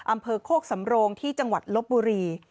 อำเภอโคกสำโรงที่จังหวัดลบบุรี